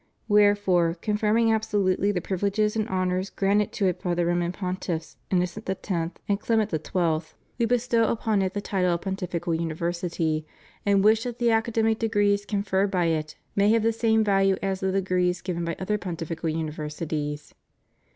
Wherefore confirming absolute ly the privileges and honors granted to it by the Roman Pontiffs Innocent X. and Clement XII., We bestow upon it THE CHURCH IN THE PHILIPPINES. 551 the title of Pontifical University, and wish that the aca demic degrees conferred by it may have the same value as the degrees given by other Pontifical Universities.